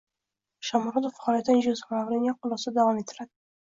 Shomurodov faoliyatini Joze Mourinyo qo‘l ostida davom ettiradi